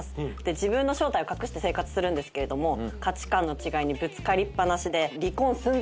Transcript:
自分の正体を隠して生活するんですけれども価値観の違いにぶつかりっ放しで離婚寸前になってしまいます。